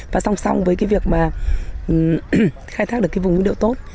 và song song với cái việc mà khai thác được cái vùng nguyên liệu tốt